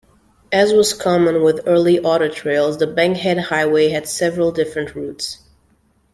As was common with early auto trails, the Bankhead Highway had several different routes.